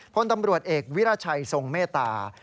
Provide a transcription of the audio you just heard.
พลตำรวจเอกวิราชัยทรงเมตตา